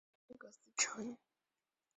恩格斯城。